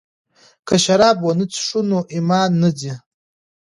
که شراب ونه څښو نو ایمان نه ځي.